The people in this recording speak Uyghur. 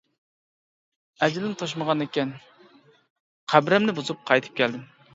ئەجىلىم توشمىغانىكەن، قەبرەمنى بۇزۇپ قايتىپ كەلدىم.